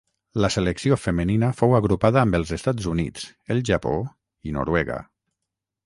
La selecció femenina fou agrupada amb els Estats Units, el Japó i Noruega.